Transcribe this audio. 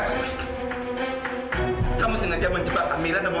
tak pesan disimpan diri kau